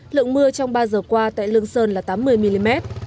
lượng mưa trong ba giờ qua tại lương sơn là tám mươi mm